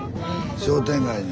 商店街に。